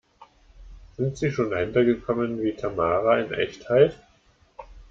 Sind Sie schon dahinter gekommen, wie Tamara in echt heißt?